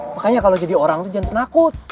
makanya kalo jadi orang tuh jangan penakut